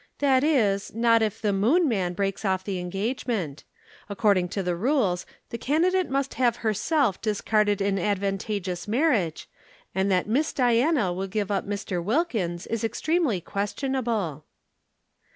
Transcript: "That is, not if the Moon man breaks off the engagement. According to the rules, the candidate must have herself discarded an advantageous marriage, and that Miss Diana will give up Mr. Wilkins is extremely questionable."